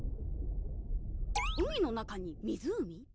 海の中に湖？